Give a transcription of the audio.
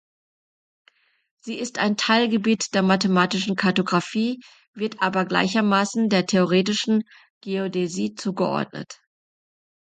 Sie ist ein Teilgebiet der mathematischen Kartografie, wird aber gleichermaßen der theoretischen Geodäsie zugeordnet.